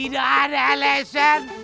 tidak ada alasan